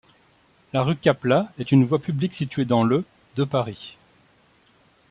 La rue Caplat est une voie publique située dans le de Paris.